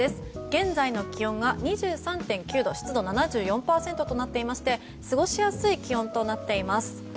現在の気温が２３．９度湿度７４％となっていまして過ごしやすい気温となっています。